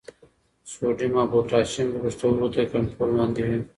سوډیم او پوټاشیم د پښتورګو تر کنټرول لاندې وي.